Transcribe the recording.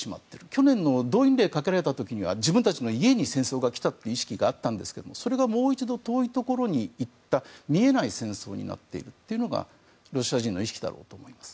去年の動員令がかけられた時には自分たちの家に戦争が来たという意識があったんですけどそれがもう一度遠いところに行った見えない戦争になっているというのがロシア人の意識だろうと思います。